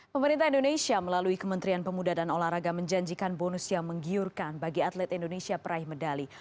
pemerintah indonesia melalui kementerian pemuda dan olahraga menjanjikan bonus yang menggiurkan bagi atlet indonesia peraih medali